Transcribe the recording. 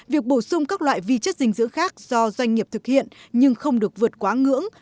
việc bổ sung các loại vi chất dinh dưỡng khác do doanh nghiệp thực hiện nhưng không được vượt quá ngưỡng